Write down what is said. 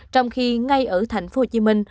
trong khi ngay ở tp hcm